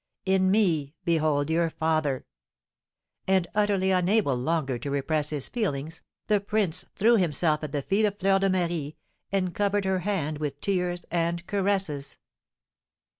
In me behold your father!" And utterly unable longer to repress his feelings, the prince threw himself at the feet of Fleur de Marie, and covered her hand with tears and caresses.